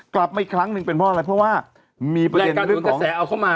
กลับไปอีกครั้งหนึ่งเป็นเพราะอะไรเพราะว่ามีประเด็นและการโดนกระแสเอาเข้ามา